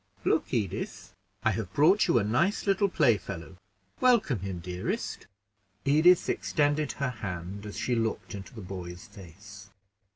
"Look, Edith, I have brought you a nice little playfellow. Welcome him, dearest." Edith extended her hand as she looked into the boy's face.